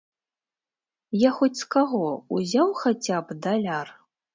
Я хоць з каго ўзяў хаця б даляр?